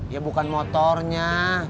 ya bukan motornya